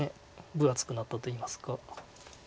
分厚くなったといいますか。